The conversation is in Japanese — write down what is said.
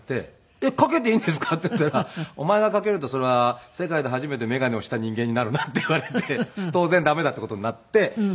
「えっかけていいんですか？」って言ったら「お前がかけるとそれは世界で初めて眼鏡をした人間になるな」って言われて当然駄目だっていう事になってそれで出たんですよ